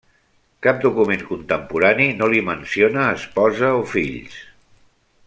Cap document contemporani no li menciona esposa o fills.